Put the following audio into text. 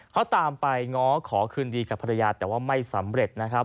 เขาตามไปง้อขอคืนดีกับภรรยาแต่ว่าไม่สำเร็จนะครับ